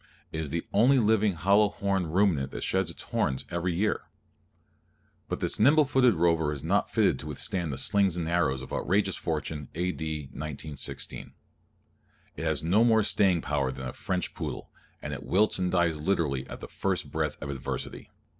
It is the only living hollow horned ruminant that sheds its horns, every year. But this nimble footed rover is not fitted to withstand the slings and arrows of outrageous fortune A. D. 1916. It has no more staying power than a French poodle, and it wilts and dies literally at the first breath of adversity.